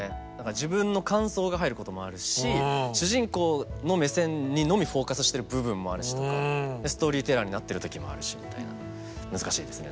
自分の感想が入ることもあるし主人公の目線にのみフォーカスしてる部分もあるしとかストーリーテラーになってる時もあるしみたいな難しいですね。